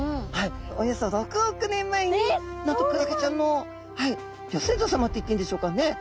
およそ６億年前になんとクラゲちゃんのギョ先祖さまっていっていいんでしょうかね。